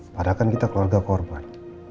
padahal kan kita keluarga korban